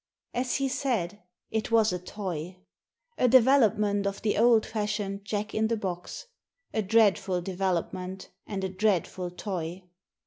As he said, it was a toy. A development of the old fashioned jack in the box. A dreadful development, and a dreadful toy.